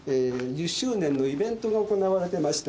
１０周年のイベントが行われてました。